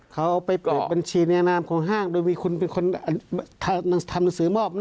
เขาเอาไปเปิดบัญชีในนามของห้างโดยมีคุณเป็นคนทำหนังสือมอบนะ